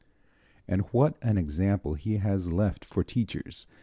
And what an example he has left for teachers.